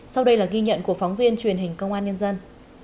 sau đây là ghi nhận của phóng viên truyền hình công an nhân dân